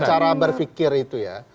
cara berpikir itu ya